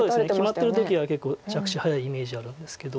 決まってる時は結構着手早いイメージあるんですけど。